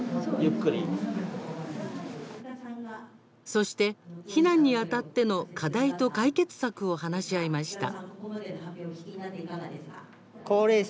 そして、避難にあたっての課題と解決策を話し合いました。